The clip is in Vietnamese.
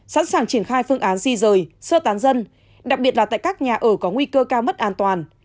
sẵn sàng triển khai phương án di rời sơ tán dân đặc biệt là tại các nhà ở có nguy cơ cao mất an toàn